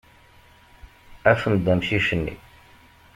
Afem-d amcic-nni.